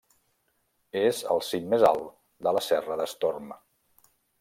És el cim més alt de la Serra d'Estorm.